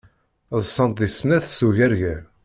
Ḍsant di snat s ugarger.